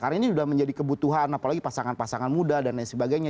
karena ini sudah menjadi kebutuhan apalagi pasangan pasangan muda dan lain sebagainya